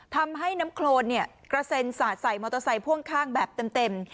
ทำให้น้ำโครนกระเซ็นสาดใส่มอเตอร์ไซค์พ่วงข้างแบบเต็ม